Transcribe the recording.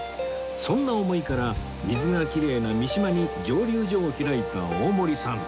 そんな思いから水がきれいな三島に蒸留所を開いた大森さん